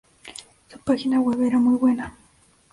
Su página web era muy buena.